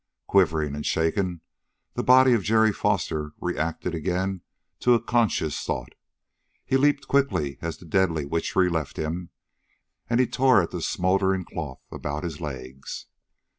Quivering and shaken, the body of Jerry Foster reacted again to a conscious thought. He leaped quickly as the deadly witchery left him, and he tore at the smoldering cloth about his legs.